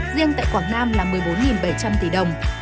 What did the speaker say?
riêng tại quảng nam là một mươi bốn bảy trăm linh tỷ đồng